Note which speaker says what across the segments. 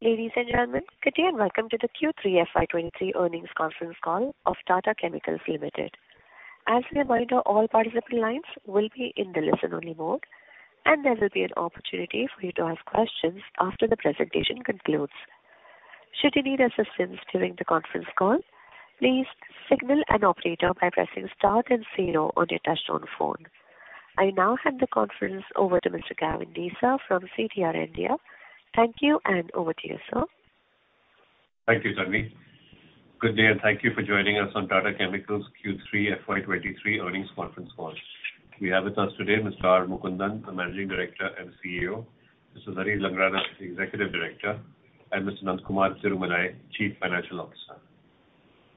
Speaker 1: Ladies and gentlemen, good day, welcome to the Q3 FY23 earnings conference call of Tata Chemicals Limited. As a reminder, all participant lines will be in the listen-only mode. There will be an opportunity for you to ask questions after the presentation concludes. Should you need assistance during the conference call, please signal an operator by pressing star then zero on your touchtone phone. I now hand the conference over to Mr. Gavin Desa from CDR India. Thank you. Over to you, sir
Speaker 2: Thank you, Tanvi. Good day, thank you for joining us on Tata Chemicals Q3 FY23 earnings conference call. We have with us today Mr. R. Mukundan, the Managing Director and CEO, Mr. Zarir Langrana, the Executive Director, Mr. Nandakumar Tirumalai, Chief Financial Officer.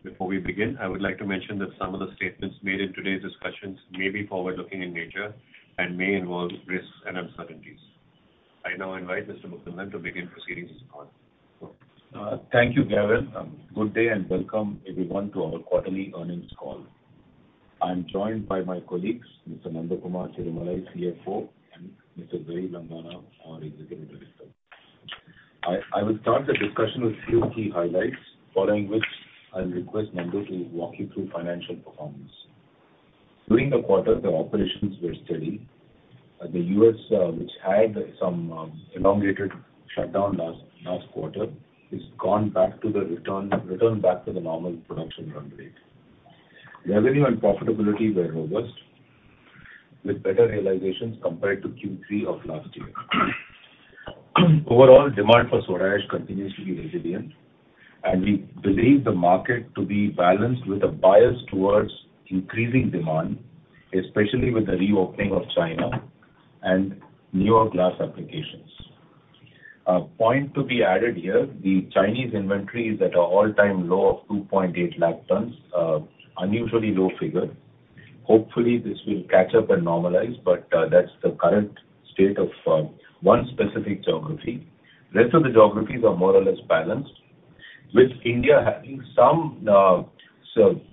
Speaker 2: Before we begin, I would like to mention that some of the statements made in today's discussions may be forward-looking in nature and may involve risks and uncertainties. I now invite Mr. Mukundan to begin proceedings as planned. Go.
Speaker 3: Thank you, Gavin. Good day and welcome everyone to our quarterly earnings call. I'm joined by my colleagues, Mr. Nandakumar Tirumalai, CFO, and Mr. Zarir Langrana, our Executive Director. I will start the discussion with few key highlights, following which I'll request Nandu to walk you through financial performance. During the quarter, the operations were steady. At the U.S., which had some elongated shutdown last quarter, it's gone back to the return back to the normal production run rate. Revenue and profitability were robust, with better realizations compared to Q3 of last year. Overall, demand for soda ash continues to be resilient, and we believe the market to be balanced with a bias towards increasing demand, especially with the reopening of China and newer glass applications. A point to be added here, the Chinese inventory is at a all-time low of 2.8 lakh tons, unusually low figure. Hopefully, this will catch up and normalize, but that's the current state of one specific geography. Rest of the geographies are more or less balanced, with India having some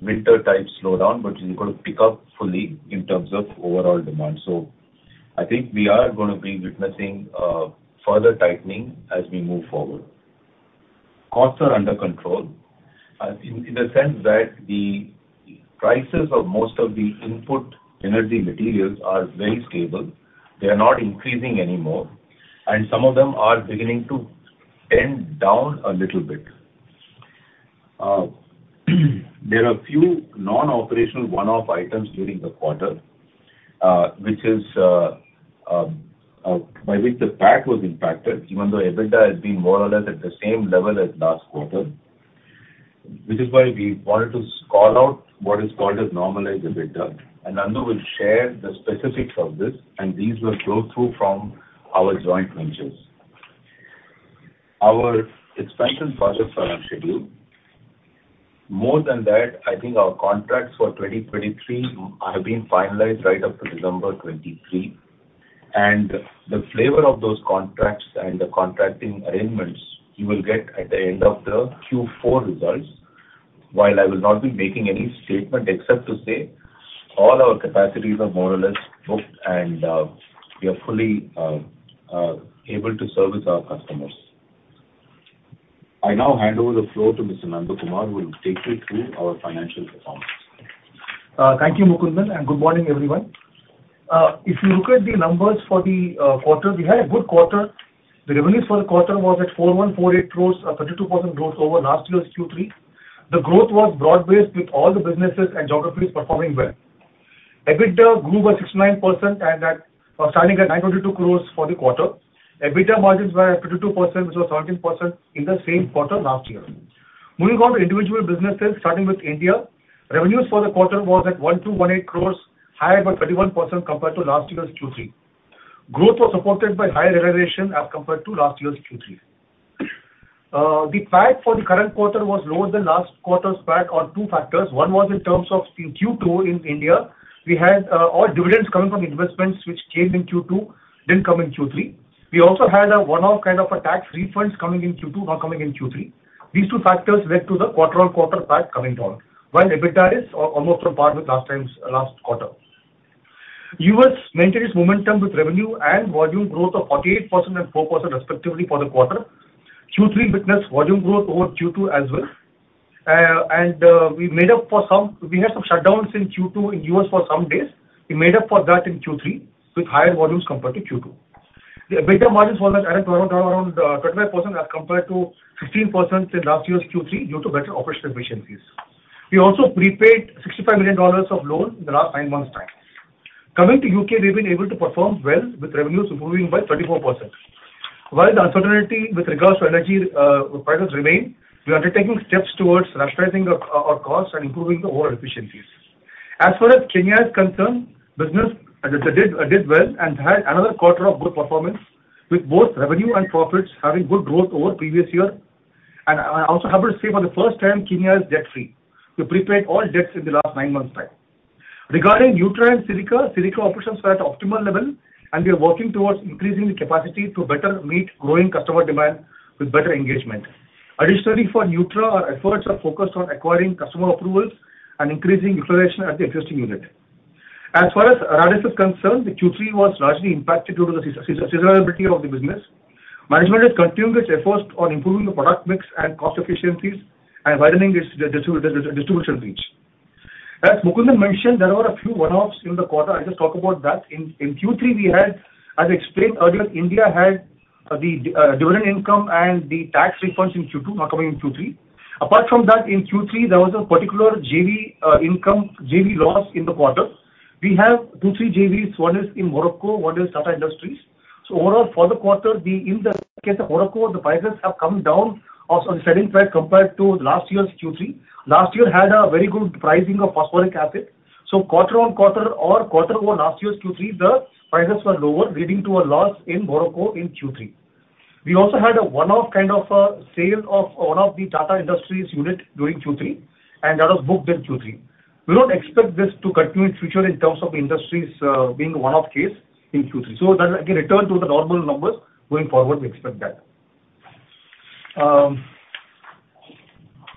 Speaker 3: winter type slowdown, but is going to pick up fully in terms of overall demand. I think we are gonna be witnessing further tightening as we move forward. Costs are under control, in the sense that the prices of most of the input energy materials are very stable. They are not increasing anymore, and some of them are beginning to trend down a little bit. There are few non-operational one-off items during the quarter, which is by which the PAT was impacted even though EBITDA has been more or less at the same level as last quarter. We wanted to call out what is called as Normalized EBITDA, and Nandu will share the specifics of this, and these will flow through from our joint ventures. Our expansion projects are on schedule. More than that, I think our contracts for 2023 have been finalized right up to December 2023. The flavor of those contracts and the contracting arrangements you will get at the end of the Q4 results. I will not be making any statement except to say all our capacities are more or less booked and we are fully able to service our customers. I now hand over the floor to Mr. Nandakumar, who will take you through our financial performance.
Speaker 4: Thank you, Mukundan. Good morning, everyone. If you look at the numbers for the quarter, we had a good quarter. The revenues for the quarter was at 4,148 crores, a 32% growth over last year's Q3. The growth was broad-based with all the businesses and geographies performing well. EBITDA grew by 69%, starting at 902 crores for the quarter. EBITDA margins were at 32%, which was 13% in the same quarter last year. Moving on to individual businesses, starting with India. Revenues for the quarter was at 1,218 crores, higher by 31% compared to last year's Q3. Growth was supported by higher realization as compared to last year's Q3. The PAT for the current quarter was lower than last quarter's PAT on two factors. One was in terms of in Q2 in India, we had all dividends coming from investments which came in Q2, didn't come in Q3. We also had a one-off kind of a tax refunds coming in Q2, not coming in Q3. These two factors led to the quarter-on-quarter PAT coming down, while EBITDA is almost on par with last time's last quarter. U.S. maintained its momentum with revenue and volume growth of 48% and 4% respectively for the quarter. Q3 witnessed volume growth over Q2 as well. We had some shutdowns in Q2 in U.S. for some days. We made up for that in Q3 with higher volumes compared to Q2. The EBITDA margins for that added to around 35% as compared to 15% in last year's Q3 due to better operational efficiencies. We also prepaid $65 million of loan in the last nine months' time. Coming to U.K., we've been able to perform well with revenues improving by 34%. While the uncertainty with regards to energy prices remain, we are taking steps towards rationalizing our costs and improving the overall efficiencies. As far as Kenya is concerned, business did well and had another quarter of good performance with both revenue and profits having good growth over previous year. I also have to say for the first time, Kenya is debt-free. We prepaid all debts in the last nine months time. Regarding Nutra and Silica operations were at optimal level, and we are working towards increasing the capacity to better meet growing customer demand with better engagement. Additionally, for Nutra, our efforts are focused on acquiring customer approvals and increasing utilization at the existing unit. As far as Rallis is concerned, the Q3 was largely impacted due to the seasonality of the business. Management has continued its efforts on improving the product mix and cost efficiencies, widening its distribution reach. As Mukundan mentioned, there were a few one-offs in the quarter. I'll just talk about that. In Q3 we had, as explained earlier, India had the dividend income and the tax refunds in Q2 not coming in Q3. Apart from that, in Q3, there was a particular JV income, JV loss in the quarter. We have two, three JVs. One is in Morocco, one is Tata Industries. Overall for the quarter, we in the case of Morocco, the prices have come down also on the selling price compared to last year's Q3. Last year had a very good pricing of phosphoric acid, quarter on quarter or quarter over last year's Q3, the prices were lower, leading to a loss in Morocco in Q3. We also had a one-off, kind of, sale of one of the Tata Industries unit during Q3, that was booked in Q3. We don't expect this to continue in future in terms of industries, being a one-off case in Q3. That again return to the normal numbers going forward, we expect that. On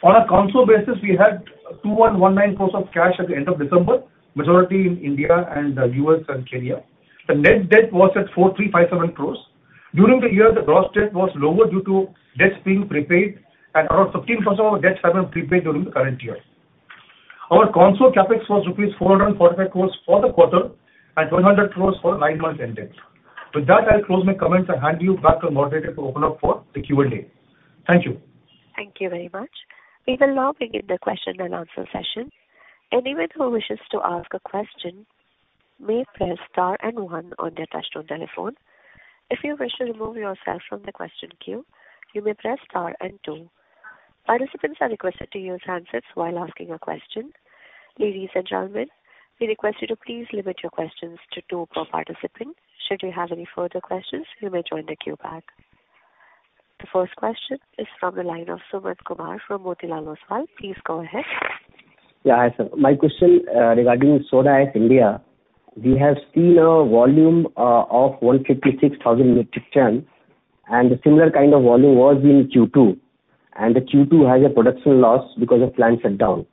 Speaker 4: a console basis, we had 2,119 crores of cash at the end of December, majority in India and U.S. and Kenya. The net debt was at 4,357 crores. During the year, the gross debt was lower due to debts being prepaid at around 15% of our debts have been prepaid during the current year. Our console CapEx was rupees 445 crores for the quarter and 200 crores for nine months ending. With that, I'll close my comments. I hand you back to moderator to open up for the Q&A. Thank you.
Speaker 1: Thank you very much. We will now begin the question and answer session. Anyone who wishes to ask a question may press star one on their touch-tone telephone. If you wish to remove yourself from the question queue, you may press star two. Participants are requested to use handsets while asking a question. Ladies and gentlemen, we request you to please limit your questions to two per participant. Should you have any further questions, you may join the queue back. The first question is from the line of Sumant Kumar from Motilal Oswal. Please go ahead.
Speaker 5: Hi, sir. My question regarding soda ash India, we have seen a volume of 156,000 metric ton, and the similar kind of volume was in Q2, and the Q3 has a production loss because of plant shutdown.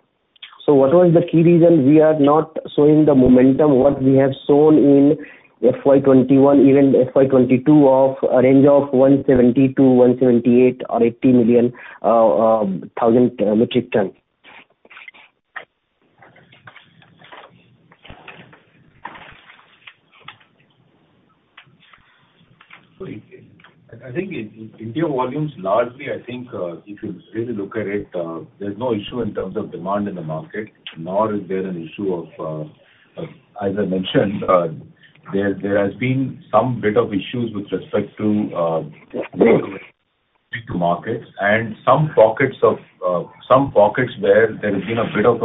Speaker 5: What was the key reason we are not showing the momentum what we have shown in FY21, even FY22 of a range of 170 to 178 or 80 million, thousand metric ton?
Speaker 3: I think India volumes largely, I think, if you really look at it, there's no issue in terms of demand in the market, nor is there an issue of, as I mentioned, there has been some bit of issues with respect to markets and some pockets of some pockets where there has been a bit of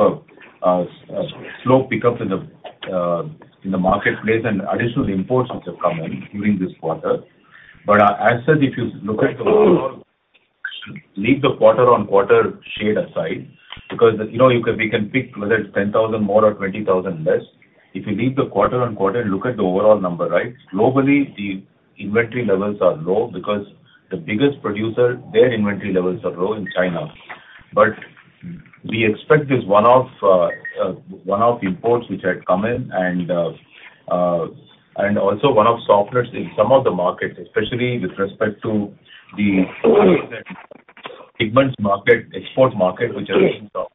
Speaker 3: a slow pickup in the marketplace and additional imports which have come in during this quarter. As said, if you look at the leave the quarter-on-quarter shade aside because, you know, we can pick whether it's 10,000 more or 20,000 less. If you leave the quarter-on-quarter, look at the overall number, right? Globally, the inventory levels are low because the biggest producer, their inventory levels are low in China. We expect this one-off, one-off imports which had come in and also one-off softness in some of the markets, especially with respect to the pigments market, export market, which has been tough to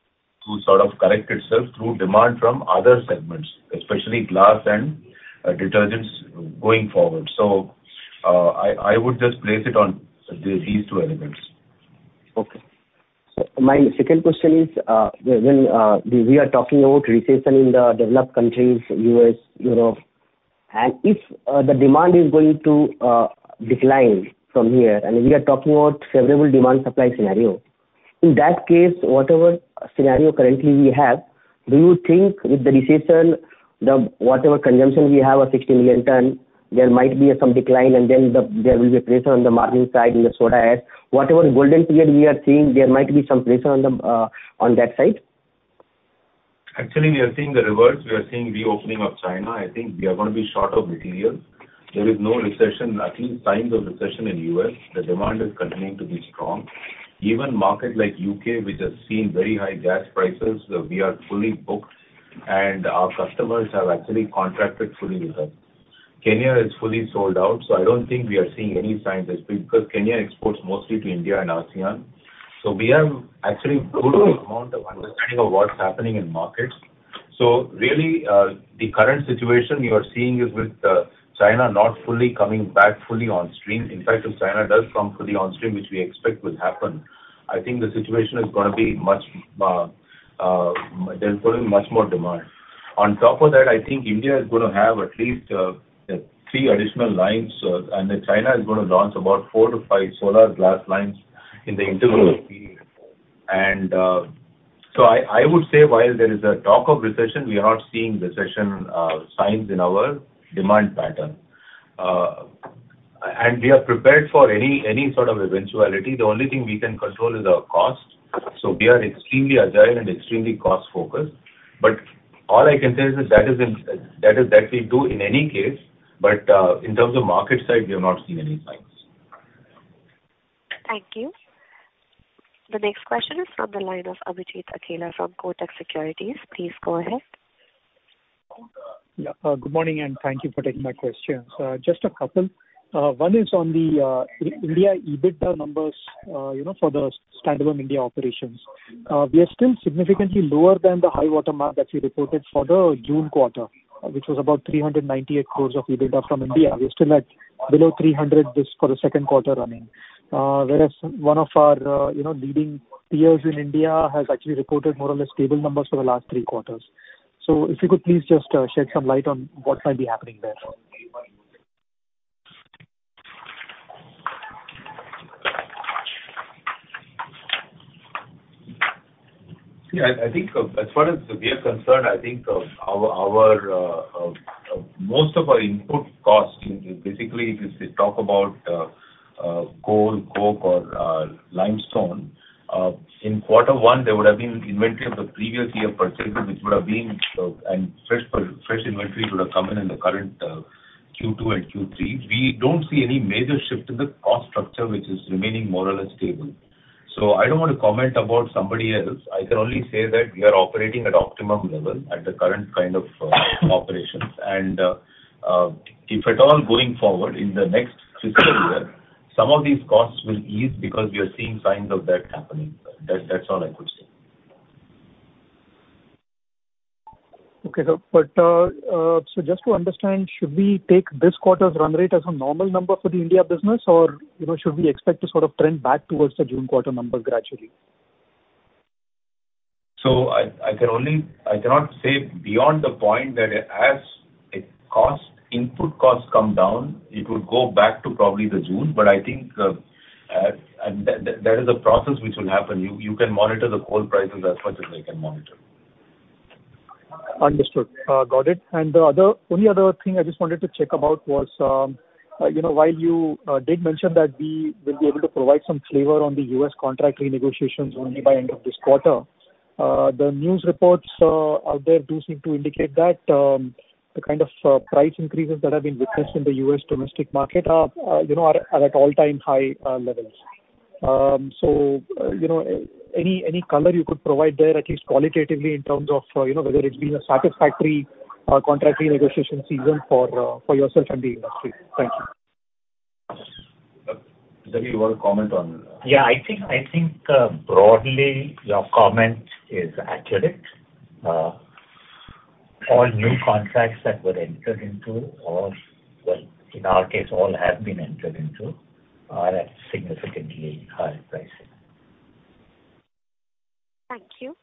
Speaker 3: sort of correct itself through demand from other segments, especially glass and detergents going forward. I would just place it on these two elements.
Speaker 5: My second question is, when we are talking about recession in the developed countries, U.S., Europe, and if the demand is going to decline from here and we are talking about favorable demand supply scenario, in that case, whatever scenario currently we have, do you think with the recession, whatever consumption we have of 16 million ton, there might be some decline and then there will be a pressure on the margin side in the soda ash. Whatever golden period we are seeing, there might be some pressure on that side?
Speaker 3: Actually, we are seeing the reverse. We are seeing reopening of China. I think we are gonna be short of material. There is no recession, I think, signs of recession in U.S. The demand is continuing to be strong. Even market like U.K., which has seen very high gas prices, we are fully booked and our customers have actually contracted fully with us. Kenya is fully sold out, so I don't think we are seeing any signs as because Kenya exports mostly to India and ASEAN. We have actually amount of understanding of what's happening in markets. Really, the current situation we are seeing is with China not fully coming back fully on stream. In fact, if China does come fully on stream, which we expect will happen, I think the situation is gonna be much, there's going to be much more demand. I think India is gonna have at least, three additional lines, and then China is gonna launch about four to five solar glass lines in the interval. I would say while there is a talk of recession, we are not seeing recession, signs in our demand pattern. And we are prepared for any sort of eventuality. The only thing we can control is our cost. We are extremely agile and extremely cost-focused. All I can say is that is in, that is that we do in any case, but, in terms of market side, we have not seen any signs.
Speaker 1: Thank you. The next question is from the line of Abhijit Akella from Kotak Securities. Please go ahead.
Speaker 6: Good morning, and thank you for taking my questions. Just a couple. One is on the India EBITDA numbers, you know, for the standalone India operations. We are still significantly lower than the high-water mark that you reported for the June quarter, which was about 398 crores of EBITDA from India. We're still at below 300 just for the second quarter running. Whereas one of our, you know, leading peers in India has actually reported more or less stable numbers for the last three quarters. If you could please just shed some light on what might be happening there.
Speaker 3: Yeah, I think, as far as we are concerned, I think, our most of our input costs, basically if you talk about, coal, coke or limestone, in Q1, there would have been inventory of the previous year purchases which would have been, and fresh inventory would have come in in the current Q2 and Q3. We don't see any major shift in the cost structure, which is remaining more or less stable. I don't want to comment about somebody else. I can only say that we are operating at optimum level at the current kind of operations. If at all going forward in the next fiscal year, some of these costs will ease because we are seeing signs of that happening. That's all I could say.
Speaker 6: Okay, sir. So just to understand, should we take this quarter's run rate as a normal number for the India business? Or, you know, should we expect to sort of trend back towards the June quarter number gradually?
Speaker 3: I can only... I cannot say beyond the point that as its cost, input costs come down, it would go back to probably the June. I think, that is a process which will happen. You can monitor the coal prices as much as I can monitor.
Speaker 6: Understood. Got it. The only other thing I just wanted to check about was, you know, while you did mention that we will be able to provide some flavor on the U.S. contract renegotiations only by end of this quarter, the news reports out there do seem to indicate that the kind of price increases that have been witnessed in the U.S. domestic market are, you know, at all-time high levels. You know, any color you could provide there, at least qualitatively, in terms of, you know, whether it's been a satisfactory contract renegotiation season for yourself and the industry? Thank you.
Speaker 3: Zarir, you want to comment on?
Speaker 7: I think broadly your comment is accurate. All new contracts that were entered into or, well, in our case, all have been entered into are at significantly higher pricing.
Speaker 1: Thank you.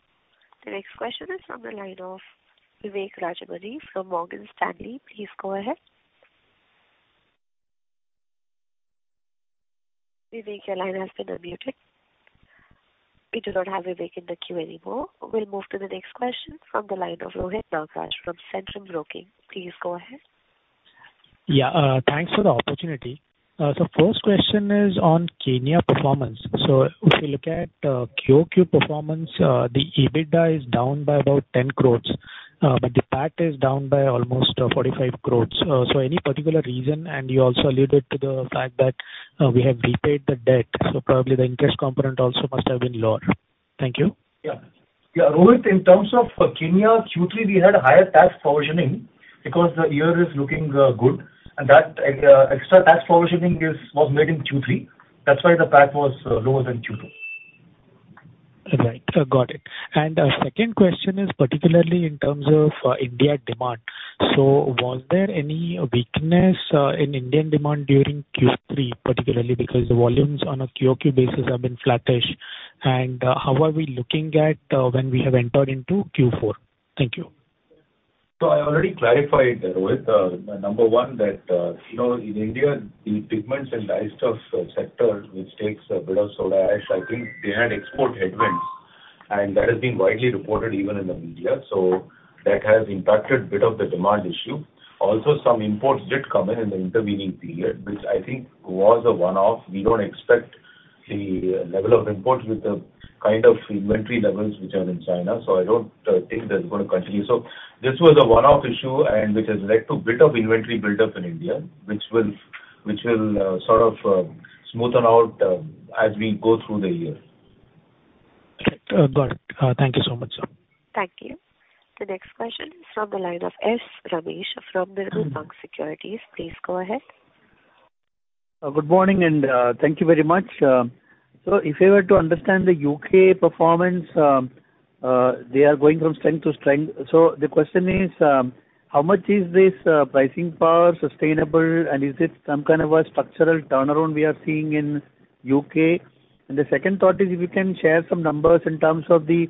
Speaker 1: The next question is from the line of Vivek Rajamani from Morgan Stanley. Please go ahead. Vivek, your line has been unmuted. We do not have Vivek in the queue anymore. We'll move to the next question from the line of Rohit Nagraj from Centrum Broking. Please go ahead.
Speaker 8: Yeah. Thanks for the opportunity. First question is on Kenya performance. If you look at QOQ performance, the EBITDA is down by about 10 crores, but the PAT is down by almost 45 crores. Any particular reason? You also alluded to the fact that we have prepaid the debt, so probably the interest component also must have been lower. Thank you.
Speaker 4: Yeah, Rohit, in terms of Kenya Q3, we had higher tax provisioning because the year is looking good, and that extra tax provisioning was made in Q3. That's why the PAT was lower than Q2.
Speaker 8: Right. got it. A second question is particularly in terms of India demand. Was there any weakness in Indian demand during Q3, particularly because the volumes on a QOQ basis have been flattish? How are we looking at when we have entered into Q4? Thank you.
Speaker 3: I already clarified, Rohit, number one, that, you know, in India the pigments and dyestuffs sector, which takes a bit of soda ash, I think they had export headwinds, and that has been widely reported even in the media. That has impacted bit of the demand issue. Also, some imports did come in in the intervening period, which I think was a one-off. We don't expect the level of imports with the kind of inventory levels which are in China. I don't think that's gonna continue. This was a one-off issue and which has led to a bit of inventory buildup in India, which will sort of smoothen out as we go through the year.
Speaker 8: Right. Got it. Thank you so much, sir.
Speaker 1: Thank you. The next question is from the line of S. Ramesh from Kotak Securities. Please go ahead.
Speaker 9: Good morning and thank you very much. If we were to understand the U.K. performance, they are going from strength to strength. The question is, how much is this pricing power sustainable, and is it some kind of a structural turnaround we are seeing in U.K? The second thought is if you can share some numbers in terms of the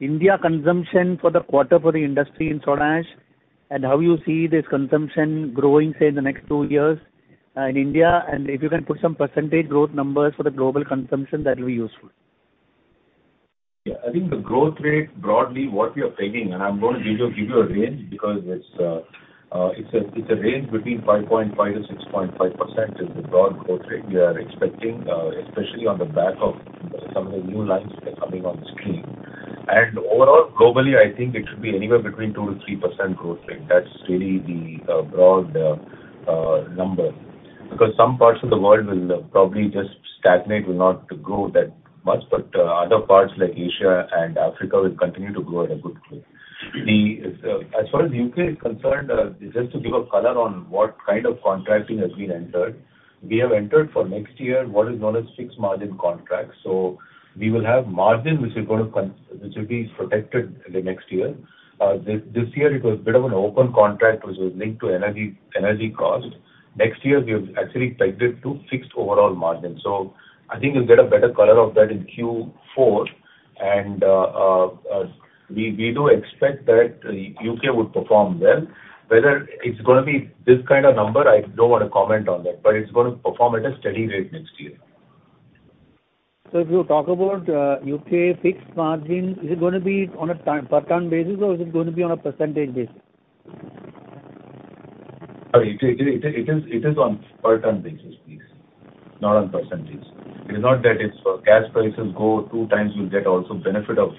Speaker 9: India consumption for the quarter for the industry in soda ash and how you see this consumption growing, say, in the next two years in India. If you can put some percentage growth numbers for the global consumption, that will be useful.
Speaker 3: Yeah. I think the growth rate, broadly what we are taking, and I'm going to give you a range because it's a range between 5.5%-6.5% is the broad growth rate we are expecting, especially on the back of some of the new lines that are coming on stream. Overall, globally, I think it should be anywhere between 2%-3% growth rate. That's really the broad number. Some parts of the world will probably just stagnate, will not grow that much. Other parts like Asia and Africa will continue to grow at a good rate. As far as U.K. is concerned, just to give a color on what kind of contracting has been entered, we have entered for next year what is known as fixed-margin contracts. We will have margin which is gonna be protected in the next year. This year it was a bit of an open contract which was linked to energy cost. Next year we have actually pegged it to fixed overall margin. I think you'll get a better color of that in Q4. We do expect that U.K. would perform well. Whether it's gonna be this kind of number, I don't want to comment on that, but it's gonna perform at a steady rate next year.
Speaker 9: If you talk about U.K. fixed-margin, is it gonna be on a ton, per ton basis, or is it gonna be on a percentage basis?
Speaker 3: Sorry, it is on per ton basis, please, not on percentage. It is not that if gas prices go two times, you'll get also benefit of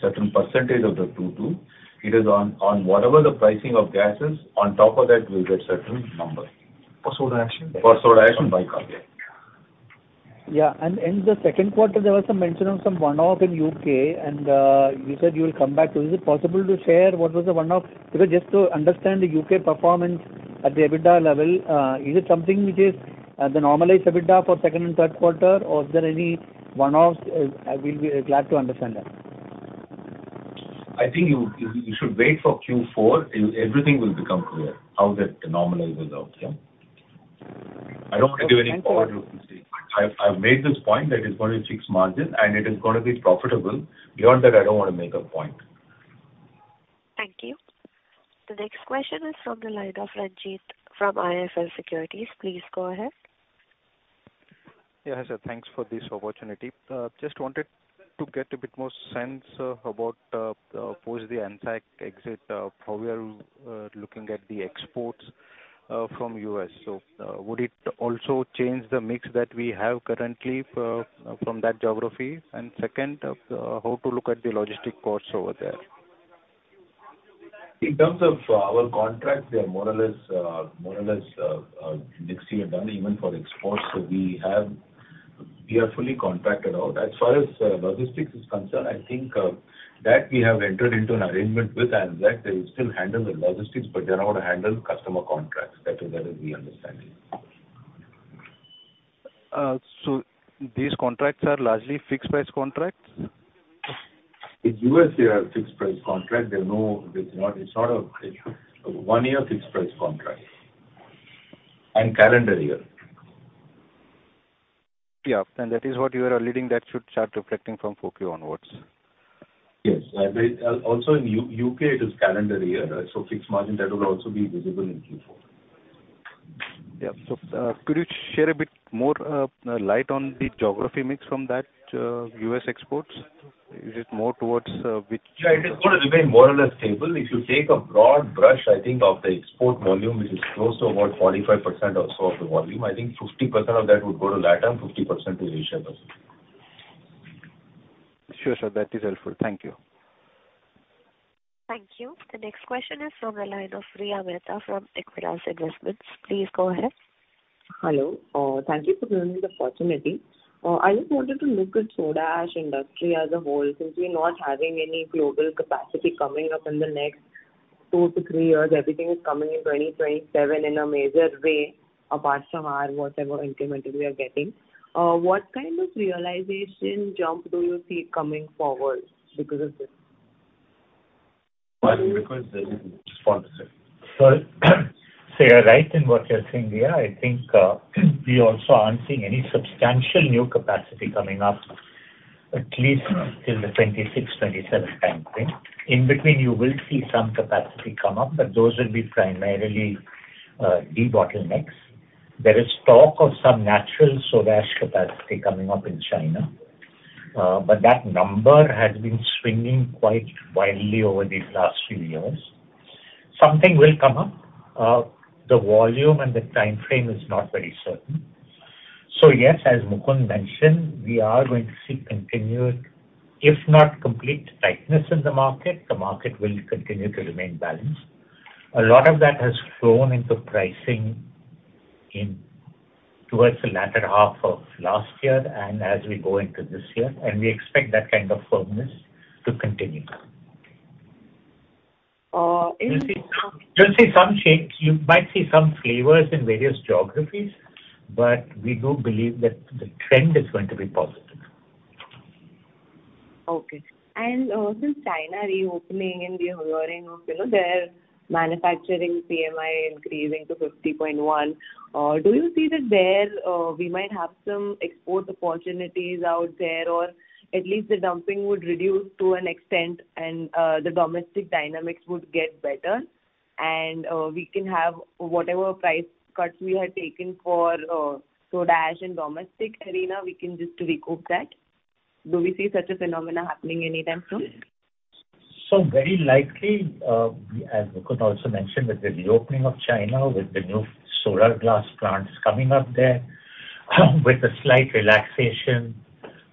Speaker 3: certain percentage of the two. It is on whatever the pricing of gas is, on top of that you'll get certain number.
Speaker 9: For soda ash?
Speaker 3: For soda ash on bi carb, yeah.
Speaker 9: Yeah. In the second quarter, there was some mention of some one-off in U.K. And you said you will come back to. Is it possible to share what was the one-off? Because just to understand the U.K. performance at the EBITDA level, is it something which is the Normalized EBITDA for second and third quarter, or is there any one-offs? I will be glad to understand that.
Speaker 3: I think you should wait for Q4. Everything will become clear, how that normalize itself, yeah. I don't want to give any forward-looking statement. I've made this point that it's gonna fix margin and it is gonna be profitable. Beyond that, I don't want to make a point.
Speaker 1: Thank you. The next question is from the line of Ranjit from IIFL Securities. Please go ahead.
Speaker 10: Sir, thanks for this opportunity. Just wanted to get a bit more sense about post the ANSAC exit, how we are looking at the exports from U.S.? Would it also change the mix that we have currently from that geography? Second, how to look at the logistic costs over there?
Speaker 3: In terms of our contracts, they are more or less fixed here done even for exports. We are fully contracted out. As far as logistics is concerned, I think that we have entered into an arrangement with ANSAC. They will still handle the logistics, but they're not handle customer contracts. That is our understanding.
Speaker 10: These contracts are largely fixed price contracts?
Speaker 3: In U.S., they are fixed-price contract. It's not a one-year fixed-price contract, and calendar year.
Speaker 10: Yeah. That is what you are leading that should start reflecting from 4Q onwards.
Speaker 3: Yes. Also in U.K. it is calendar year, so fixed margin that will also be visible in Q4.
Speaker 10: Yeah. Could you share a bit more light on the geography mix from that U.S. exports? Is it more towards?
Speaker 3: Yeah, it is gonna remain more or less stable. If you take a broad brush, I think of the export volume, which is close to about 45% or so of the volume, I think 50% of that would go to LATAM, 50% to Asia Pacific.
Speaker 10: Sure, sir. That is helpful. Thank you.
Speaker 1: Thank you. The next question is from the line of Riya Mehta from Equirus Investments. Please go ahead.
Speaker 11: Hello. thank you for giving me the opportunity. I just wanted to look at soda ash industry as a whole, since we're not having any global capacity coming up in the next two to three years. Everything is coming in 2027 in a major way, apart from our whatever incremental we are getting. what kind of realization jump do you see coming forward because of this?
Speaker 7: Sorry. You're right in what you're saying, Riya. I think, we also aren't seeing any substantial new capacity coming up, at least till the 2026, 2027 timeframe. In between, you will see some capacity come up, but those will be primarily, debottlenecks. There is talk of some natural soda ash capacity coming up in China, but that number has been swinging quite wildly over these last few years. Something will come up. The volume and the timeframe is not very certain. Yes, as Mukundan mentioned, we are going to see continued, if not complete tightness in the market. The market will continue to remain balanced. A lot of that has flown into pricing in towards the latter half of last year and as we go into this year, and we expect that kind of firmness to continue. You'll see some shakes. You might see some flavors in various geographies. We do believe that the trend is going to be positive.
Speaker 11: Okay. Since China reopening and we are hearing of, you know, their manufacturing PMI increasing to 50.1, do you see that there, we might have some export opportunities out there, or at least the dumping would reduce to an extent and the domestic dynamics would get better and we can have whatever price cuts we had taken for soda ash in domestic arena, we can just recoup that? Do we see such a phenomena happening anytime soon?
Speaker 7: Very likely, as Mukundan also mentioned, with the reopening of China, with the new solar glass plants coming up there, with a slight relaxation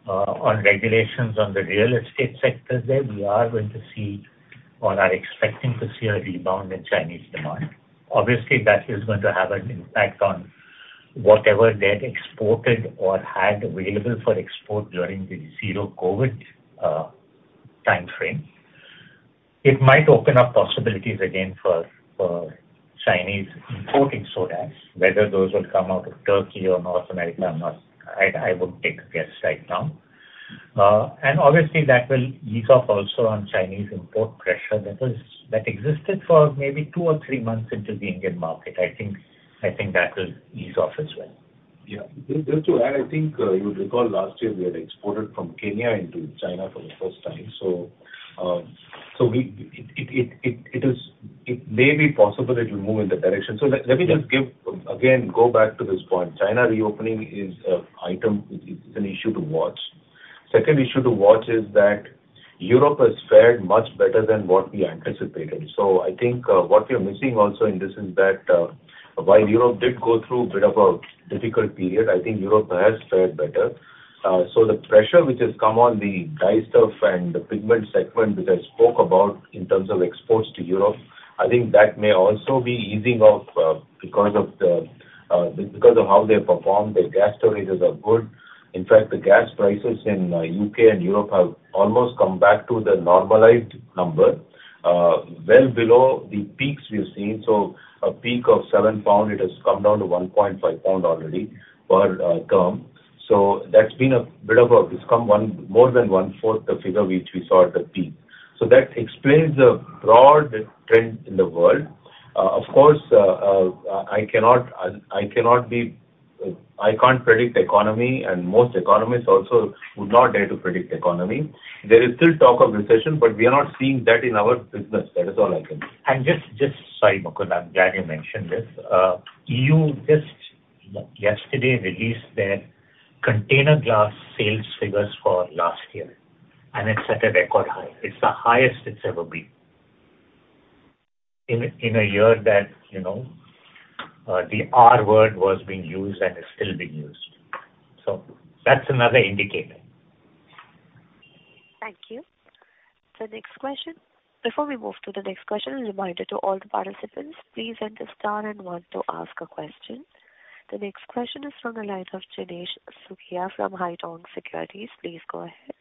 Speaker 7: on regulations on the real estate sector there, we are going to see or are expecting to see a rebound in Chinese demand. Obviously, that is going to have an impact on whatever they had exported or had available for export during the zero COVID timeframe. It might open up possibilities again for Chinese importing solar, whether those will come out of Turkey or North America, I won't take a guess right now. Obviously that will ease off also on Chinese import pressure that existed for maybe two or three months into the Indian market. I think that will ease off as well.
Speaker 3: Yeah. Just to add, I think, you would recall last year we had exported from Kenya into China for the first time. We, it is, it may be possible it will move in that direction. Let me just give- Again, go back to this point. China reopening is an issue to watch. Second issue to watch is that Europe has fared much better than what we anticipated. I think what we are missing also in this is that while Europe did go through a bit of a difficult period, I think Europe has fared better. The pressure which has come on the dyestuff and the pigment segment, which I spoke about in terms of exports to Europe, I think that may also be easing off because of how they have performed. Their gas storages are good. In fact, the gas prices in U.K. and Europe have almost come back to the normalized number, well below the peaks we've seen. A peak of 7 pound, it has come down to 1.5 pound already per term. It's come more than 1/4 the figure which we saw at the peak. That explains the broad trend in the world. Of course, I cannot be, I can't predict economy, most economists also would not dare to predict economy. There is still talk of recession, we are not seeing that in our business. That is all I can say.
Speaker 7: Sorry, Mukundan. I'm glad you mentioned this. EU just yesterday released their container glass sales figures for last year, and it set a record high. It's the highest it's ever been. In a year that, you know, the R-word was being used and is still being used. That's another indicator.
Speaker 1: Thank you. The next question. Before we move to the next question, a reminder to all the participants, please enter star and one to ask a question. The next question is from the line of Chintan Modi from Haitong Securities. Please go ahead.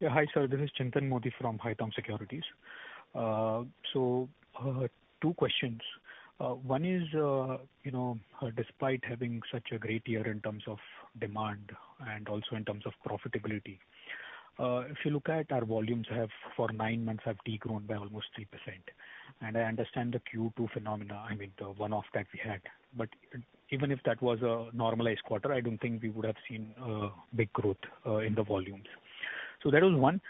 Speaker 12: Yeah, hi, sir, this is Chintan Modi from Haitong Securities. Two questions. One is, you know, despite having such a great year in terms of demand and also in terms of profitability, if you look at our volumes have for nine months have de-grown by almost 3%. I understand the Q2 phenomena, I mean, the one-off that we had. Even if that was a normalized quarter, I don't think we would have seen big growth in the volumes. That was one.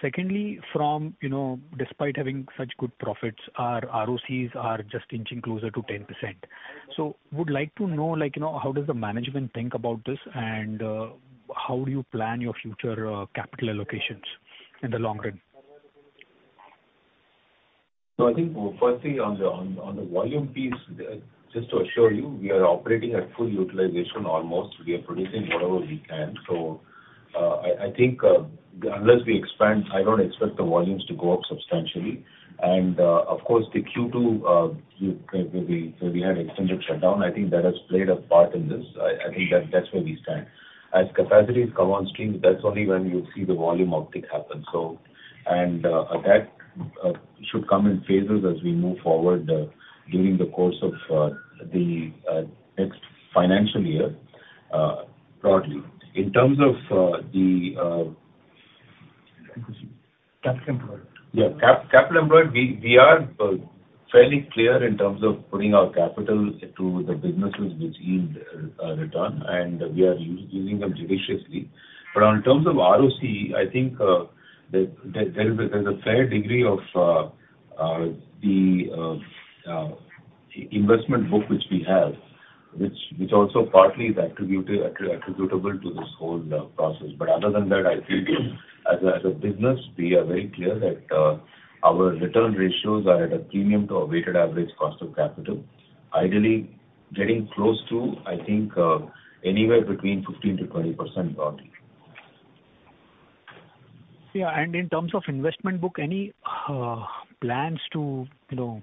Speaker 12: Secondly, from, you know, despite having such good profits, our ROCs are just inching closer to 10%. Would like to know, like, you know, how does the management think about this, and how do you plan your future capital allocations in the long run?
Speaker 3: I think firstly on the volume piece, just to assure you, we are operating at full utilization almost. We are producing whatever we can. I think, unless we expand, I don't expect the volumes to go up substantially. Of course, the Q2, we had extended shutdown. I think that has played a part in this. I think that's where we stand. As capacities come on stream, that's only when you'll see the volume uptick happen. That should come in phases as we move forward, during the course of the next financial year, broadly. In terms of the...
Speaker 7: Capital employed.
Speaker 3: Capital employed, we are fairly clear in terms of putting our capital into the businesses which yield a return, and we are using them judiciously. In terms of ROC, I think there is a fair degree of the investment book which we have, which also partly is attributable to this whole process. Other than that, I think as a business, we are very clear that our return ratios are at a premium to a weighted average cost of capital. Ideally getting close to, I think, anywhere between 15%-20% broadly.
Speaker 12: Yeah. In terms of investment book, any plans to, you know,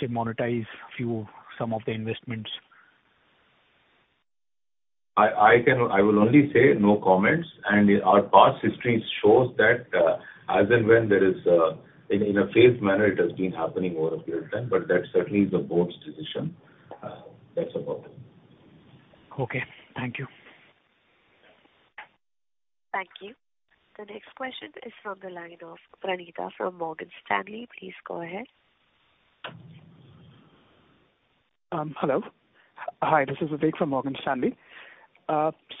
Speaker 12: say monetize a few, some of the investments?
Speaker 3: I will only say no comments. Our past history shows that, as and when there is in a phased manner, it has been happening over a period of time. That certainly is the board's decision. That's about it.
Speaker 12: Okay. Thank you.
Speaker 1: Thank you. The next question is from the line of Pranita from Morgan Stanley. Please go ahead.
Speaker 13: Hello. Hi, this is Vivek from Morgan Stanley.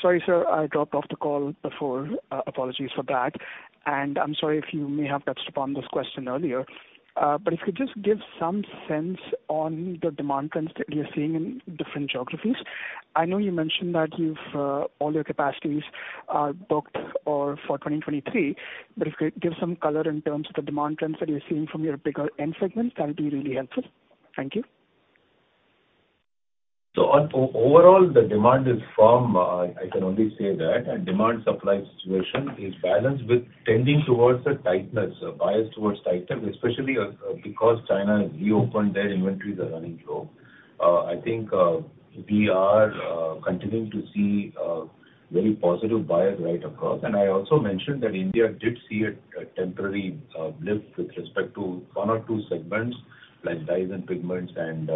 Speaker 13: Sorry, sir, I dropped off the call before. Apologies for that. I'm sorry if you may have touched upon this question earlier. If you could just give some sense on the demand trends that you're seeing in different geographies. I know you mentioned that you've all your capacities are booked or for 2023, if you give some color in terms of the demand trends that you're seeing from your bigger end segments, that would be really helpful. Thank you.
Speaker 3: Overall, the demand is firm, I can only say that. Demand supply situation is balanced with tending towards the tightness, bias towards tightness, especially because China has reopened, their inventories are running low. I think we are continuing to see very positive buyers right across. I also mentioned that India did see a temporary blip with respect to one or two segments like dyes and pigments and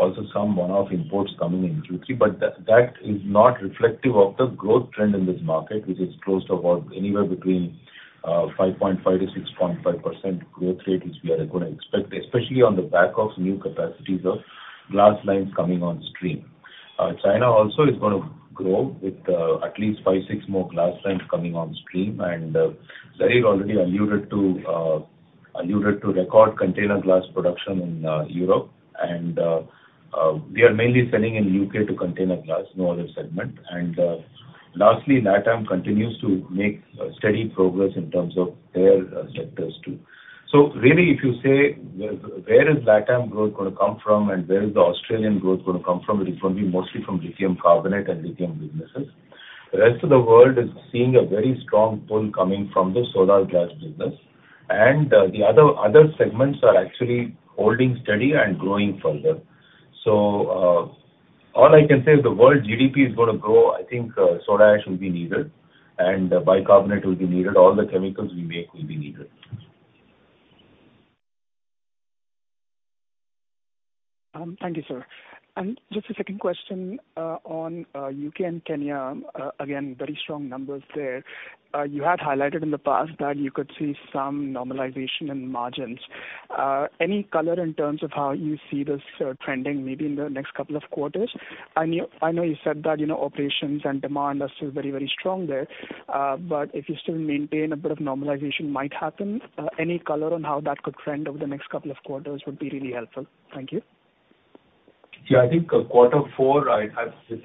Speaker 3: also some one-off imports coming in Q3. That is not reflective of the growth trend in this market, which is close to about anywhere between 5.5%-6.5% growth rate, which we are gonna expect, especially on the back of new capacities of glass lines coming on stream. China also is going to grow with at least five, six more glass lines coming on stream. Zarir already alluded to record container glass production in Europe. We are mainly selling in U.K. to container glass, no other segment. Lastly, LATAM continues to make steady progress in terms of their sectors too. Really if you say where is LATAM growth going to come from, and where is the Australian growth going to come from, it is going to be mostly from lithium carbonate and lithium businesses. The rest of the world is seeing a very strong pull coming from the solar glass business. The other segments are actually holding steady and growing further. All I can say, if the world GDP is gonna grow, I think, soda ash will be needed and bicarbonate will be needed, all the chemicals we make will be needed.
Speaker 13: Thank you, sir. Just a second question on U.K. and Kenya. Again, very strong numbers there. You had highlighted in the past that you could see some normalization in margins. Any color in terms of how you see this trending maybe in the next couple of quarters? I know you said that, you know, operations and demand are still very strong there. If you still maintain a bit of normalization might happen, any color on how that could trend over the next couple of quarters would be really helpful. Thank you.
Speaker 3: Yeah, I think, quarter four,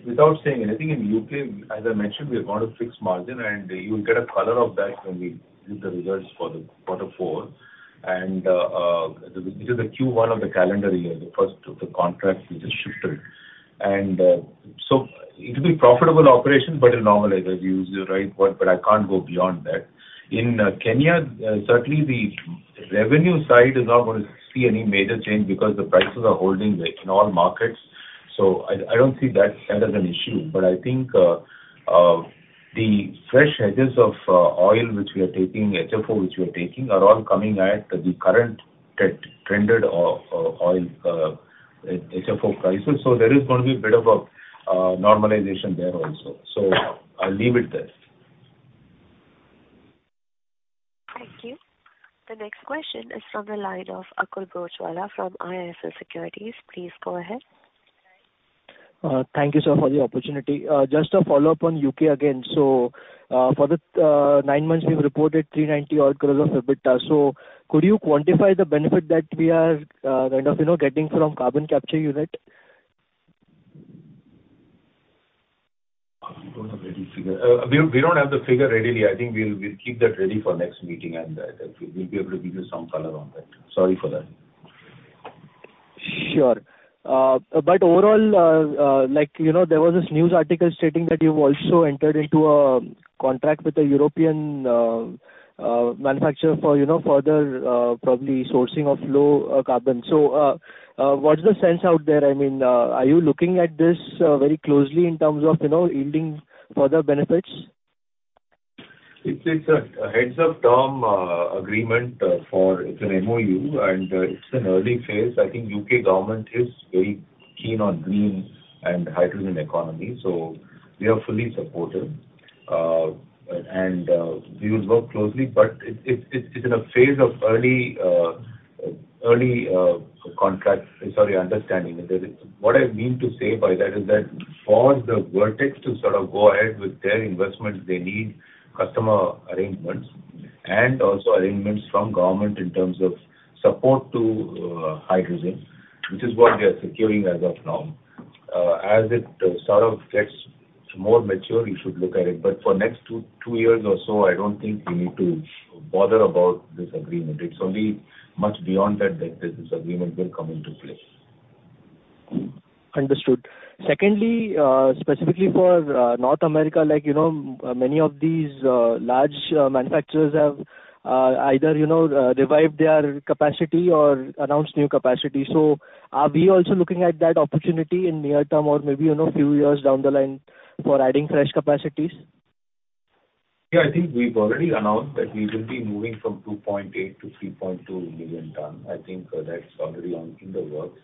Speaker 3: without saying anything in U.K., as I mentioned, we are on a fixed margin, and you'll get a color of that when we give the results for the quarter four. This is the Q1 of the calendar year, the first of the contracts we just shifted. It'll be profitable operation, but it'll normalize as you use the right word, but I can't go beyond that. In Kenya, certainly the revenue side is not gonna see any major change because the prices are holding in all markets. I don't see that as an issue. I think, the fresh hedges of oil which we are taking, HFO which we are taking, are all coming at the current trend, trended oil, HFO prices. There is gonna be a bit of a normalization there also. I'll leave it there.
Speaker 1: Thank you. The next question is from the line of Akul Broachwala from IIFL Securities. Please go ahead.
Speaker 14: Thank you, sir, for the opportunity. Just a follow-up on U.K. again. For the nine months, we've reported 390 odd crores of EBITDA. Could you quantify the benefit that we are, kind of, you know, getting from Carbon capture unit?
Speaker 3: We don't have the ready figure. We don't have the figure readily. I think we'll keep that ready for next meeting, and we'll be able to give you some color on that. Sorry for that.
Speaker 14: Sure. Overall, like, you know, there was this news article stating that you've also entered into a contract with a European manufacturer for, you know, further, probably sourcing of low carbon. What's the sense out there? I mean, are you looking at this very closely in terms of, you know, yielding further benefits?
Speaker 3: It's a heads of term agreement for it's an MOU. It's an early phase. I think U.K. government is very keen on green and hydrogen economy. We are fully supportive. We would work closely, it's in a phase of early contract, sorry, understanding. What I mean to say by that is that for the Vertex to sort of go ahead with their investments, they need customer arrangements and also arrangements from government in terms of support to hydrogen, which is what we are securing as of now. As it sort of gets more mature, you should look at it. For next two years or so, I don't think we need to bother about this agreement. It's only much beyond that this agreement will come into place.
Speaker 14: Understood. Secondly, specifically for North America, like, you know, many of these large manufacturers have either, you know, revived their capacity or announced new capacity. Are we also looking at that opportunity in near term or maybe, you know, few years down the line for adding fresh capacities?
Speaker 3: Yeah. I think we've already announced that we will be moving from 2.8 to 3.2 million ton. I think that's already on in the works.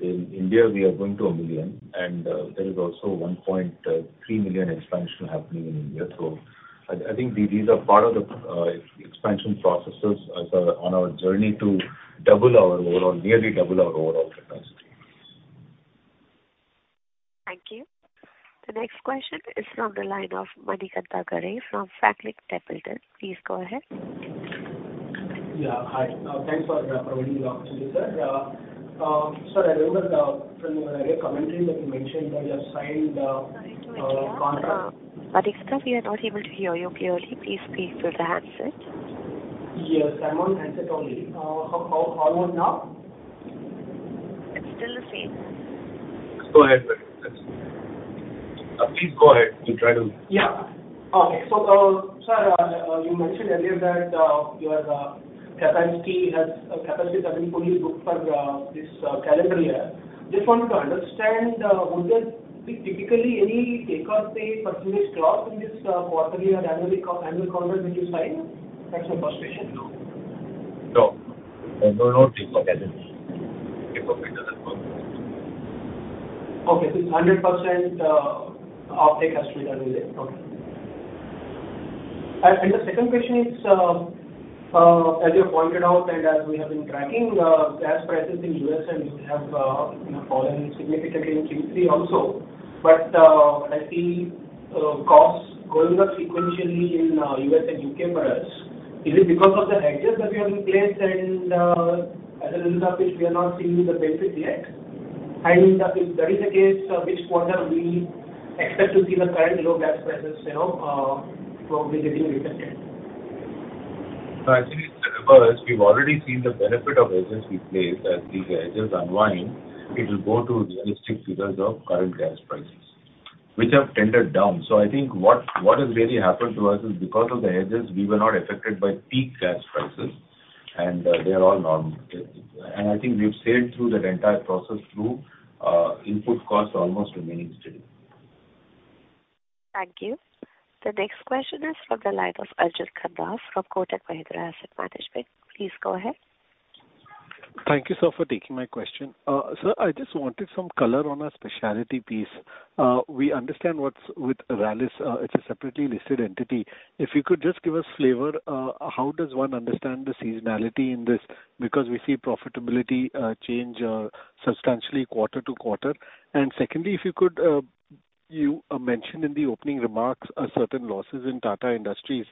Speaker 3: In India, we are going to 1 million, and there is also 1.3 million expansion happening in India. I think these are part of the expansion processes on our journey to double our overall, nearly double our overall capacity.
Speaker 1: Thank you. The next question is from the line of Manikantha Garre from Franklin Templeton. Please go ahead.
Speaker 15: Hi. Thanks for providing the opportunity, sir. Sir, I remember from your earlier commentary that you mentioned that you have signed contract-.
Speaker 1: Sorry to interrupt. We are not able to hear you clearly. Please speak through the handset.
Speaker 15: Yes, I'm on handset only. How about now?
Speaker 1: It's still the same.
Speaker 3: Go ahead, sir. Please go ahead and try to.
Speaker 15: Yeah. Okay. Sir, you mentioned earlier that your capacity is currently fully booked for this calendar year. Just wanted to understand, would there be typically any take-or-pay percentage clause in this quarterly or annually annual contract that you sign? That's my first question.
Speaker 3: No. No. no take-or-pay. Take-or-pay doesn't work.
Speaker 15: Okay. It's 100% offtake has to be done with it. Okay. The second question is, as you pointed out and as we have been tracking gas prices in U.S., which have, you know, fallen significantly in Q3 also. What I see costs going up sequentially in U.S. and U.K. for us. Is it because of the hedges that we have in place and as a result of which we are not seeing the benefit yet? If that is the case, which quarter we expect to see the current low gas prices, you know, probably getting reflected?
Speaker 3: No, I think it's the reverse. We've already seen the benefit of hedges we placed. As these hedges unwind, it will go to realistic figures of current gas prices, which have tended down. I think what has really happened to us is because of the hedges, we were not affected by peak gas prices. I think we've sailed through that entire process through input costs almost remaining steady.
Speaker 1: Thank you. The next question is from the line of Arjun Khanna from Kotak Mahindra Asset Management. Please go ahead.
Speaker 16: Thank you, sir, for taking my question. Sir, I just wanted some color on our specialty piece. We understand what's with Rallis. It's a separately listed entity. If you could just give us flavor, how does one understand the seasonality in this? Because we see profitability change substantially quarter-to-quarter. Secondly, if you could, you mentioned in the opening remarks, certain losses in Tata Industries.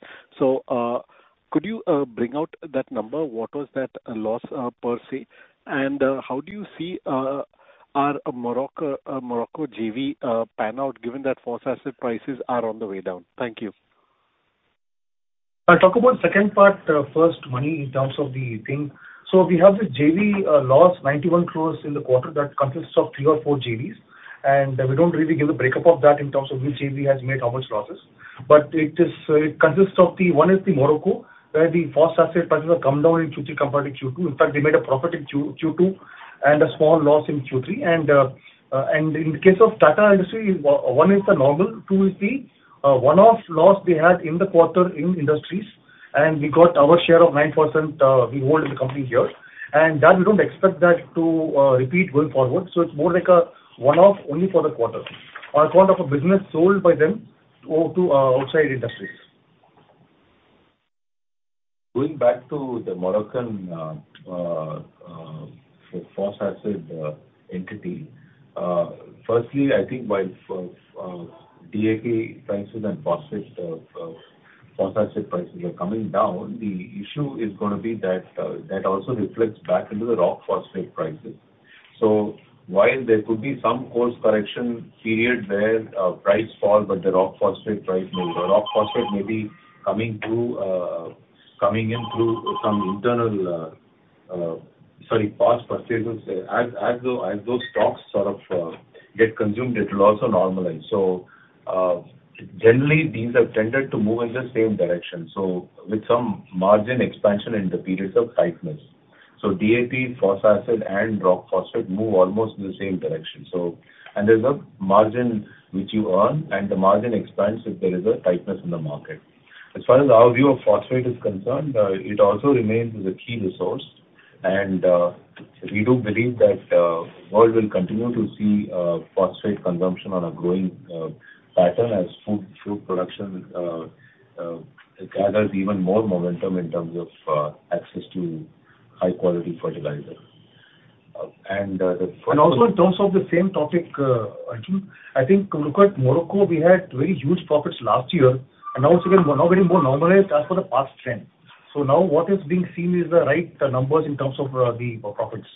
Speaker 16: Could you bring out that number? What was that loss per se? How do you see our Morocco JV pan out given that phosphoric prices are on the way down? Thank you.
Speaker 4: I'll talk about second part, first, Arjun, in terms of the thing. We have this JV loss, 91 crores in the quarter that consists of three or four JVs. We don't really give a break up of that in terms of which JV has made how much losses. It consists of the, one is the Morocco, where the phosphoric acid prices have come down in Q3 compared to Q2. In fact, they made a profit in Q2 and a small loss in Q3. In case of Tata Industries, one is the normal, two is the one-off loss we had in the quarter in industries, and we got our share of 9% we hold in the company here. That we don't expect that to repeat going forward. It's more like a one-off only for the quarter. On account of a business sold by them to outside industries.
Speaker 3: Going back to the Moroccan phosphoric acid entity. Firstly, I think while DAP prices and phosphate phosphoric acid prices are coming down, the issue is gonna be that that also reflects back into the rock phosphate prices. While there could be some course correction period where price fall but the rock phosphate price moves. The rock phosphate may be coming through coming in through some internal... Sorry, past purchases. As those stocks sort of get consumed, it'll also normalize. Generally these have tended to move in the same direction, so with some margin expansion in the periods of tightness. DAP, phosphoric acid and rock phosphate move almost in the same direction. There's a margin which you earn, and the margin expands if there is a tightness in the market. As far as our view of phosphate is concerned, it also remains as a key resource. We do believe that world will continue to see phosphate consumption on a growing pattern as food production gathers even more momentum in terms of access to high quality fertilizer.
Speaker 4: Also in terms of the same topic, Arjun, I think look at Morocco, we had very huge profits last year and also we're now getting more normalized as per the past trend. Now what is being seen is the right numbers in terms of the profits.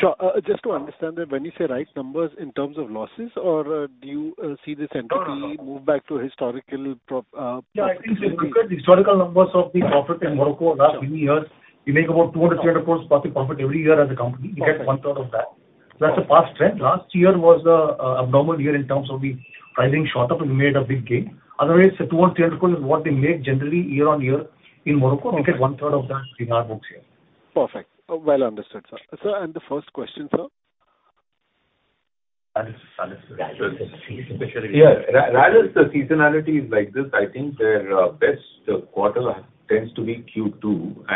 Speaker 16: Sure. Just to understand that when you say right numbers in terms of losses or do you see this move back to historical profit?
Speaker 4: Yeah, I think if you look at the historical numbers of the profit in Morocco last many years, we make about 200 crore-300 crore profit every year as a company. We get 1/3 of that. That's the past trend. Last year was an abnormal year in terms of the pricing shot up and we made a big gain. Otherwise, the 200 crore-300 crore is what they make generally year on year in Morocco. We get 1/3 of that in our books here.
Speaker 16: Perfect. Well understood, sir. Sir, the first question, sir?
Speaker 3: Yeah. Rallis, the seasonality is like this. I think their best quarter tends to be Q2.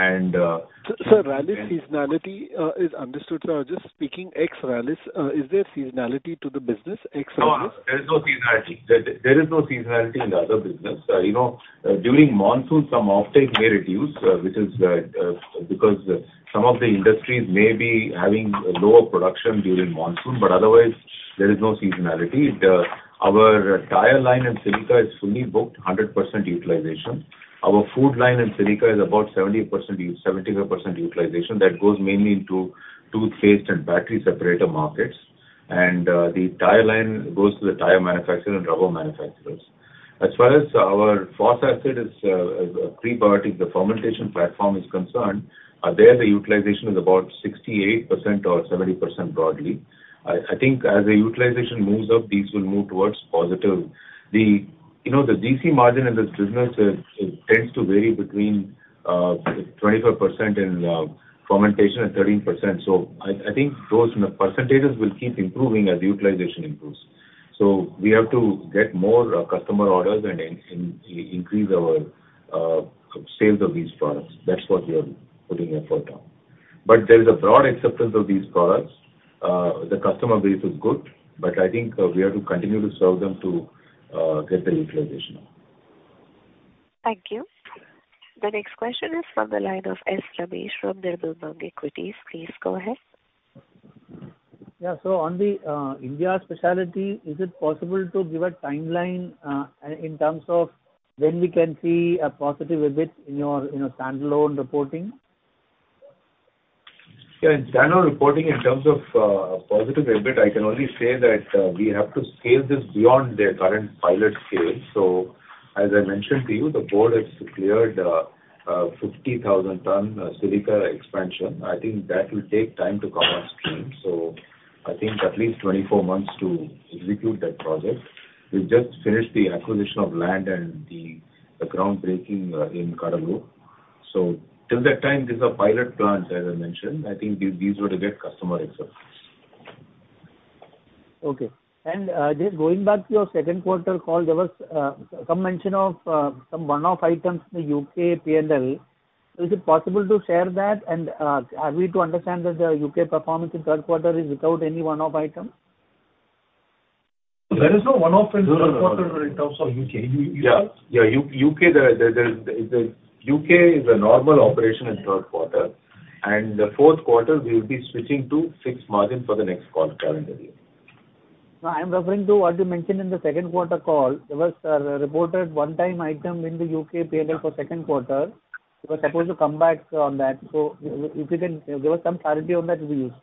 Speaker 16: Sir, Rallis seasonality is understood, sir. Just speaking ex-Rallis, is there seasonality to the business ex-Rallis?
Speaker 3: No, there's no seasonality. There is no seasonality in the other business. You know, during monsoon, some offtake may reduce, which is because some of the industries may be having lower production during monsoon. Otherwise, there is no seasonality. Our tire line in Silica is fully booked, 100% utilization. Our food line in Silica is about 75% utilization. That goes mainly into toothpaste and Battery separator markets. The tire line goes to the tire manufacturer and rubber manufacturers. As well as our [FOS] is prebiotic. The fermentation platform is concerned. There, the utilization is about 68%-70% broadly. I think as the utilization moves up, these will move towards positive. You know, the DC margin in this business tends to vary between 25% in fermentation and 13%. I think those percentages will keep improving as utilization improves. We have to get more customer orders and increase our sales of these products. That's what we are putting effort on. There is a broad acceptance of these products. The customer base is good, but I think we have to continue to serve them to get the utilization up.
Speaker 1: Thank you. The next question is from the line of S. Ramesh from Nirmal Bang Equities. Please go ahead.
Speaker 17: Yeah. On the India speciality, is it possible to give a timeline, in terms of when we can see a positive EBIT in your standalone reporting?
Speaker 3: In general reporting in terms of positive EBIT, I can only say that we have to scale this beyond the current pilot scale. As I mentioned to you, the board has cleared 50,000 ton Silica expansion. I think that will take time to come on stream. I think at least 24 months to execute that project. We've just finished the acquisition of land and the groundbreaking in Cuddalore. Till that time, this is a pilot plant, as I mentioned. I think these were to get customer acceptance.
Speaker 17: Okay. Just going back to your second quarter call, there was some mention of some one-off items in the U.K. P&L. Is it possible to share that? Are we to understand that the U.K. performance in third quarter is without any one-off item?
Speaker 4: There is no one-off in third quarter in terms of U.K.
Speaker 3: Yeah. Yeah, U.K. is a normal operation in third quarter, and the fourth quarter we will be switching to fixed margin for the next call calendar year.
Speaker 17: No, I'm referring to what you mentioned in the second quarter call. There was a reported one-time item in the U.K. P&L for second quarter. You were supposed to come back on that. If you can give us some clarity on that, it'll be useful.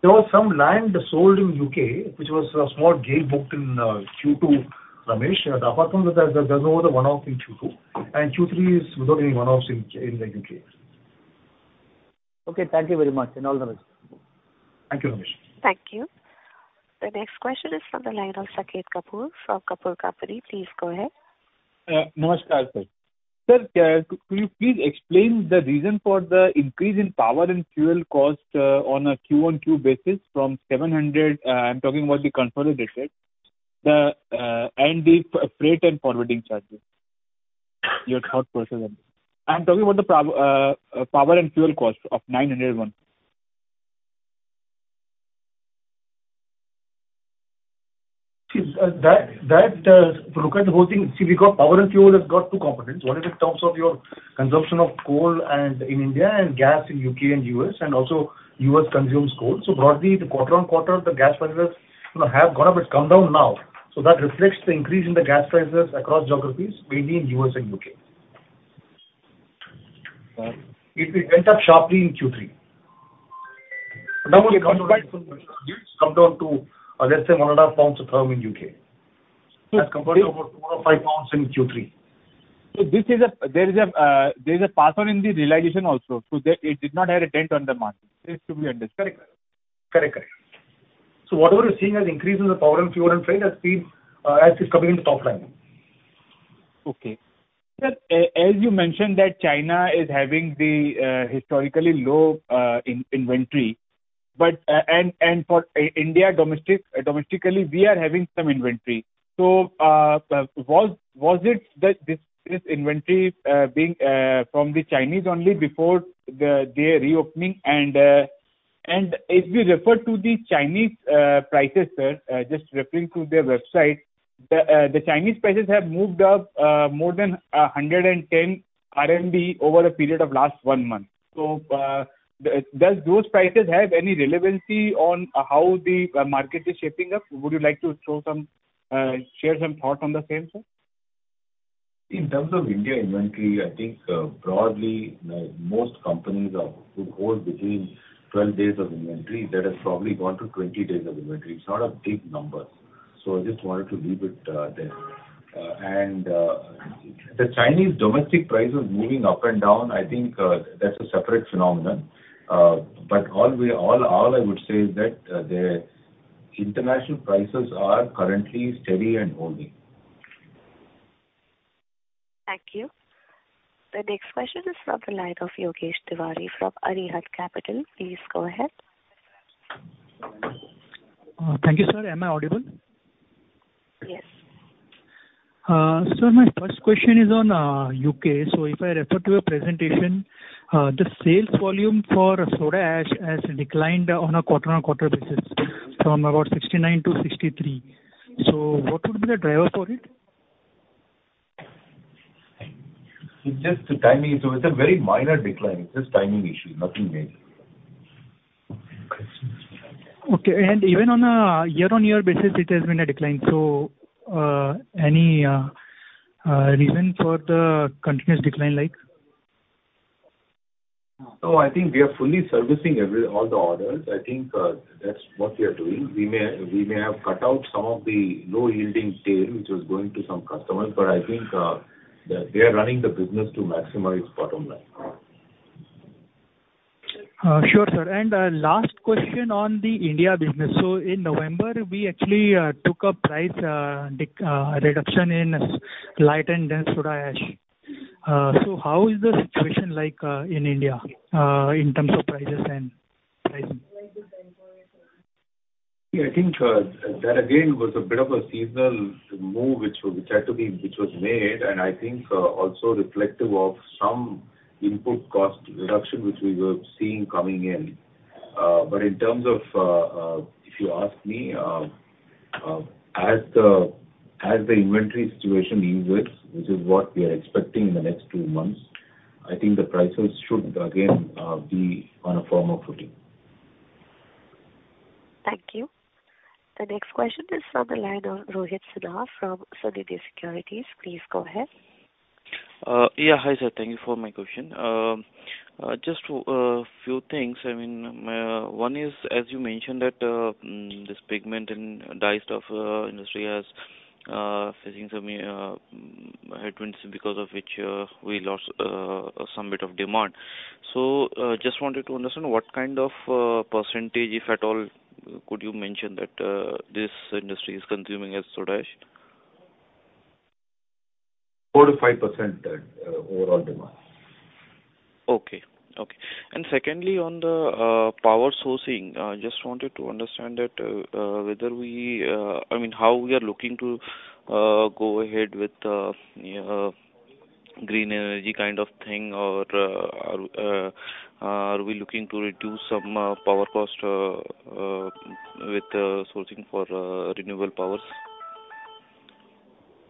Speaker 4: There was some land sold in U.K., which was a small gain booked in Q2, Ramesh. Apart from that, there was no other one-off in Q2, and Q3 is without any one-offs in the U.K.
Speaker 17: Okay, thank you very much. All the best.
Speaker 4: Thank you, Ramesh.
Speaker 1: Thank you. The next question is from the line of Saket Kapoor from Kapoor Company. Please go ahead.
Speaker 18: Sir, could you please explain the reason for the increase in power and fuel cost on a Q-on-Q basis from 700, I'm talking about the consolidated, and the freight and forwarding charges? Your thought process on this. I'm talking about the power and fuel cost of 901.
Speaker 4: See, that to look at the whole thing, see, we got power and fuel has got two components. One is in terms of your consumption of coal and in India and gas in U.K. and U.S., and also U.S. consumes coal. Broadly, the quarter-on-quarter, the gas prices, you know, have gone up. It's come down now. That reflects the increase in the gas prices across geographies, mainly in U.S. and U.K. It went up sharply in Q3. Come down to, let's say GBP 1.50 a term in U.K. That's compared to about GBP 4 or GBP 5 in Q3.
Speaker 18: There is a, there is a pass on in the realization also. That it did not have a dent on the margin. This should be understood. Correct.
Speaker 4: Correct, correct. whatever you're seeing as increase in the power and fuel and freight has been, as is coming in the top line.
Speaker 18: Okay, sir, as you mentioned that China is having the historically low inventory, but, and for India domestic, domestically, we are having some inventory. Was it that this inventory being from the Chinese only before their reopening? If you refer to the Chinese prices, sir, just referring to their website, the Chinese prices have moved up more than 110 RMB over a period of last one month. Does those prices have any relevancy on how the market is shaping up? Would you like to throw some share some thoughts on the same, sir?
Speaker 3: In terms of India inventory, I think, broadly, you know, most companies are, would hold between 12 days of inventory. That has probably gone to 20 days of inventory. It's not a big number. I just wanted to leave it there. The Chinese domestic prices moving up and down, I think, that's a separate phenomenon. All I would say is that the international prices are currently steady and holding.
Speaker 1: Thank you. The next question is from the line of Yogesh Tiwari from Arihant Capital. Please go ahead.
Speaker 19: Thank you, sir. Am I audible?
Speaker 1: Yes.
Speaker 19: My first question is on U.K. If I refer to your presentation, the sales volume for soda ash has declined on a quarter-on-quarter basis from about 69-63. What would be the driver for it?
Speaker 3: It's just the timing. It's a very minor decline. It's just timing issue, nothing major.
Speaker 19: Okay. Even on a year-on-year basis, it has been a decline. Any reason for the continuous decline like?
Speaker 3: I think we are fully servicing all the orders. I think that's what we are doing. We may have cut out some of the low-yielding tail which was going to some customers. I think that we are running the business to maximize bottom line.
Speaker 19: Sure, sir. Last question on the India business. In November, we actually took a price reduction in Light Soda Ash and Dense Soda Ash. How is the situation like in India in terms of prices and pricing?
Speaker 3: I think, that again was a bit of a seasonal move which was made, and I think, also reflective of some input cost reduction which we were seeing coming in. In terms of, if you ask me, as the inventory situation eases, which is what we are expecting in the next two months, I think the prices should again be on a firmer footing.
Speaker 1: Thank you. The next question is from the line of Rohit Sinha from Sunidhi Securities. Please go ahead.
Speaker 20: Yeah. Hi, sir. Thank you for my question. Just a few things. I mean, one is, as you mentioned that, this pigment and dyestuff industry has facing some headwinds because of which we lost some bit of demand. Just wanted to understand what kind of percentage, if at all, could you mention that, this industry is consuming as soda ash?
Speaker 3: 4%-5% overall demand.
Speaker 20: Okay. Okay. Secondly, on the power sourcing, just wanted to understand that, I mean, how we are looking to go ahead with green energy kind of thing or, are we looking to reduce some power cost with sourcing for renewable powers?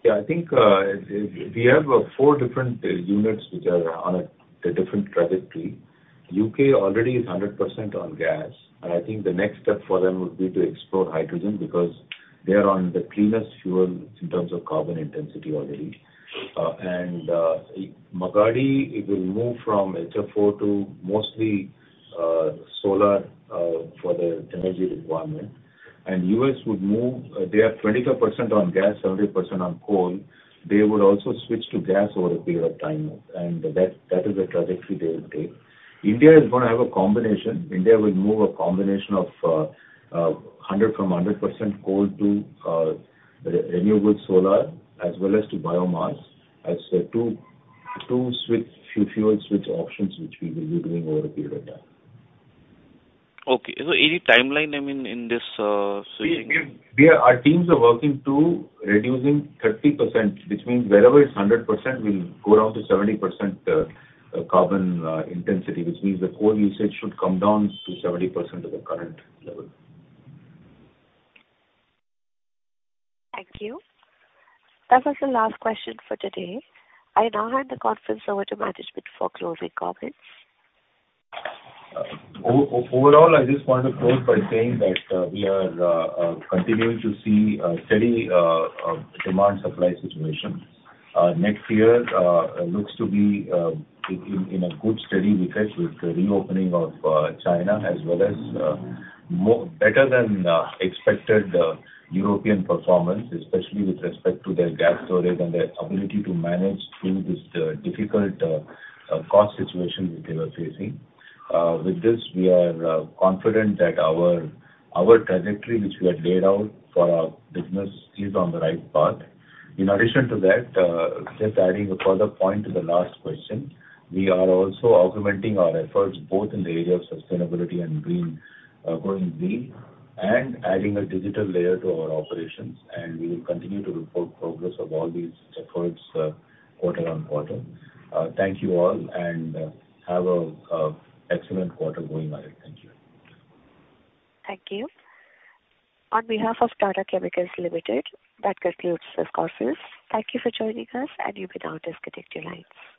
Speaker 3: Yeah, I think, we have four different units which are on a different trajectory. U.K. already is 100% on gas, I think the next step for them would be to explore hydrogen because they are on the cleanest fuel in terms of carbon intensity already. Magadi, it will move from HFO to mostly solar for the energy requirement. U.S. would move. They are 22% on gas, 70% on coal. They would also switch to gas over a period of time, that is a trajectory they will take. India is gonna have a combination. India will move a combination of from 100% coal to renewable solar as well as to biomass as two fuel switch options which we will be doing over a period of time.
Speaker 20: Okay. Any timeline, I mean, in this switching?
Speaker 3: Our teams are working to reducing 30%, which means wherever it's 100% will go down to 70% carbon intensity, which means the coal usage should come down to 70% of the current level.
Speaker 1: Thank you. That was the last question for today. I now hand the conference over to management for closing comments.
Speaker 3: Overall, I just want to close by saying that we are continuing to see a steady demand supply situation. Next year looks to be in a good steady because with the reopening of China as well as better than expected European performance, especially with respect to their gas storage and their ability to manage through this difficult cost situation which they were facing. With this, we are confident that our trajectory which we had laid out for our business is on the right path. In addition to that, just adding a further point to the last question, we are also augmenting our efforts both in the area of sustainability and green, going green, and adding a digital layer to our operations, and we will continue to report progress of all these efforts, quarter-on-quarter. Thank you all, and have a excellent quarter going ahead. Thank you.
Speaker 1: Thank you. On behalf of Tata Chemicals Limited, that concludes this conference. Thank you for joining us, and you can now disconnect your lines.